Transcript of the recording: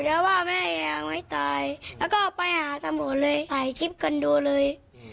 ก็ไปหาทั้งหมดเลยใส่คลิปกันดูเลย